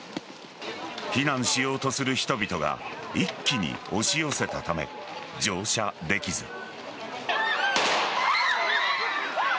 避難しようとする人々が一気に押し寄せたため乗車できず。